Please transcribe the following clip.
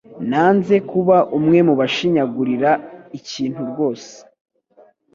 Nanze kuba umwe mubashinyagurira ikintu rwose